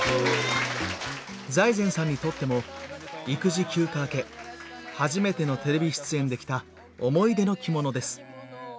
財前さんにとっても育児休暇明け初めてのテレビ出演で着た思い出の着物です。